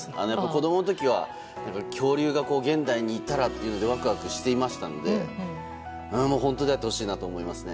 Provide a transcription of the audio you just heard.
子供の時は恐竜は現代にいたらというのでワクワクしたので本当であってほしいなと思いますね。